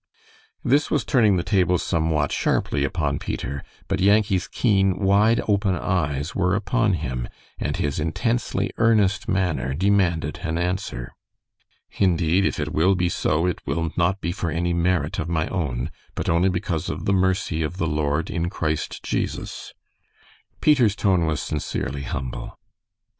This was turning the tables somewhat sharply upon Peter, but Yankee's keen, wide open eyes were upon him, and his intensely earnest manner demanded an answer. "Indeed, if it will be so, it will not be for any merit of my own, but only because of the mercy of the Lord in Christ Jesus." Peter's tone was sincerely humble.